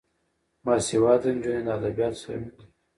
باسواده نجونې د ادبیاتو سره مینه لري.